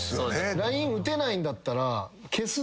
ＬＩＮＥ打てないんだったら。